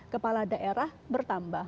kepala daerah bertambah